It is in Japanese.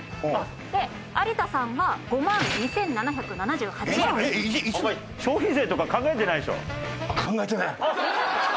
で有田さんは５万２７７８円。えっ？お前消費税とか考えてないでしょ？